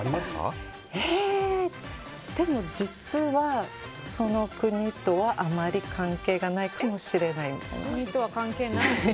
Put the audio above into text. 実は、その国とはあまり関係がないかもしれない。